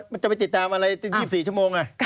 มันจะไปติดตามอะไร๒๔ชั่วโมง